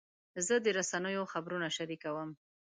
زه د رسنیو خبرونه شریکوم.